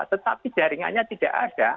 tetapi jaringannya tidak ada